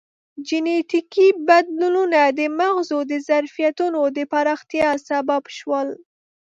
جینټیکي بدلونونه د مغزو د ظرفیتونو د پراختیا سبب شول.